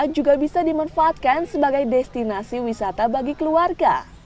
juga bisa dimanfaatkan sebagai destinasi wisata bagi keluarga